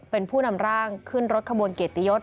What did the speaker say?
เป็นผู้นำร่างขึ้นรถขบวนเกียรติยศ